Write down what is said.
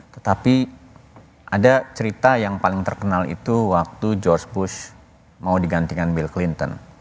tetapi ada cerita yang paling terkenal itu waktu george push mau digantikan bill clinton